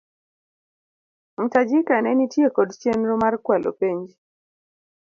Mtajika ne nitie kod chenro mar kwalo penj.